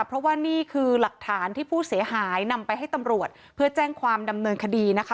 เพราะว่านี่คือหลักฐานที่ผู้เสียหายนำไปให้ตำรวจเพื่อแจ้งความดำเนินคดีนะคะ